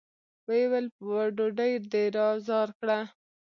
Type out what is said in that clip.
ويې ويل: ډوډۍ دې را زار کړه!